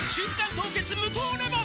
凍結無糖レモン」